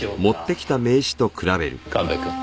神戸くん。